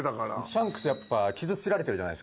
シャンクスやっぱ傷付けられてるじゃないですか。